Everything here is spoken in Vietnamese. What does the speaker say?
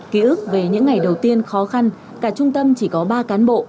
ký ức về những ngày đầu tiên khó khăn cả trung tâm chỉ có ba cán bộ